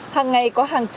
hàng ngày có hàng trăm người